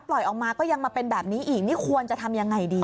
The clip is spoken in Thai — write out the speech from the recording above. ปล่อยออกมาก็ยังมาเป็นแบบนี้อีกนี่ควรจะทำยังไงดี